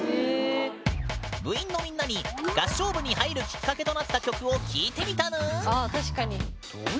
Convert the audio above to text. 部員のみんなに「合唱部に入るきっかけとなった曲」を聞いてみたぬーん！